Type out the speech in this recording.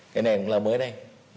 cái này cũng là mới đây